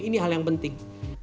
ini hal yang penting